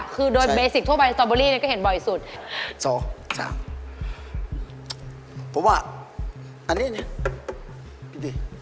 เพราะว่าอันนี้เนี่ย